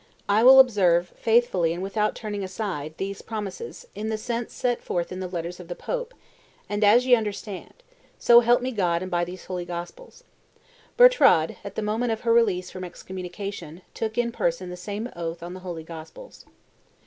I will observe, faithfully and without turning aside, these promises, in the sense set forth in the letters of the Pope, and as ye understand. So help me God and these holy Gospels!' Bertrade, at the moment of her release from excommunication, took in person the same oath on the holy Gospels."